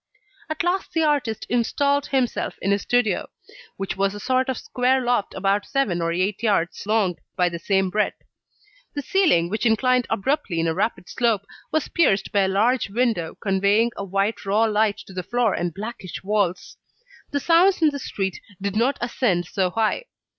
At last the artist installed himself in his studio, which was a sort of square loft about seven or eight yards long by the same breadth. The ceiling which inclined abruptly in a rapid slope, was pierced by a large window conveying a white raw light to the floor and blackish walls. The sounds in the street did not ascend so high.